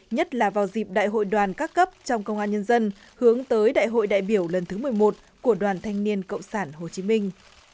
nhất là vào dịp đại hội đoàn các cấp trong công an nhân dân hướng tới đại hội đại biểu lần thứ một mươi một của đoàn thanh niên cộng sản hồ chí minh